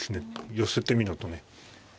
寄せてみろとね。